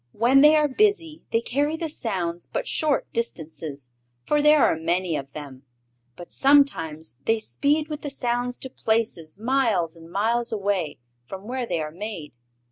When they are busy they carry the sounds but short distances, for there are many of them; but sometimes they speed with the sounds to places miles and miles away from where they are made.